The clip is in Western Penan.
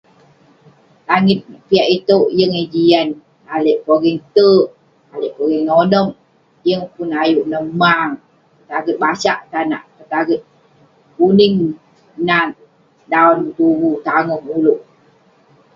Langit piak itouk, yeng eh jian. Lalek pogeng te'erk, lalek pogeng nonep ; yeng pun ayuk neh maang. Petaget basak tanak, petaget kuning nat daon, tuvu tangoh ulouk.